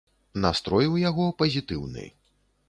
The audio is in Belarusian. Настрой у яго пазітыўны.